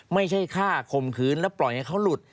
ไม่ใช่ฆ่าข่มขืนแล้วปล่อยให้เขาหลุด